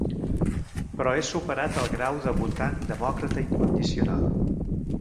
Però he superat el grau de votant demòcrata incondicional.